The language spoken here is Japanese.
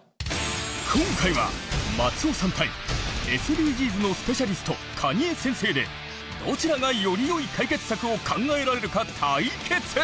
今回は松尾さん対ＳＤＧｓのスペシャリスト蟹江先生でどちらがよりよい解決策を考えられるか対決！